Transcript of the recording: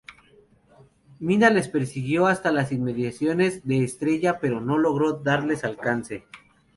Mina les persiguió hasta las inmediaciones de Estella pero no logró darles alcance.